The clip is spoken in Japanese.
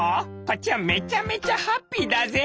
こっちはめちゃめちゃハッピーだぜ」。